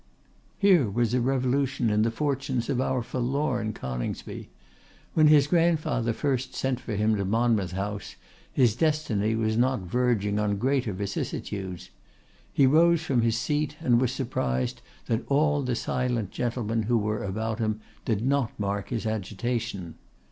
Here was a revolution in the fortunes of our forlorn Coningsby! When his grandfather first sent for him to Monmouth House, his destiny was not verging on greater vicissitudes. He rose from his seat, and was surprised that all the silent gentlemen who were about him did not mark his agitation.